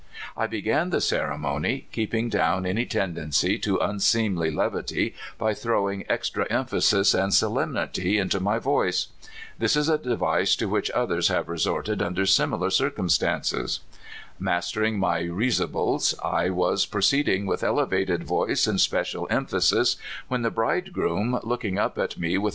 I began the ceremon} , keeping down any tendency to unseemly levity by throwing extra emphasis and solemnit}' into my voice. This is a device to which others have resorted under simihir circumstances. Mastering my risibles, I was pro ceeding with elevated voice and special emphasis, when the bridegroom, looking up at me witli those CAl.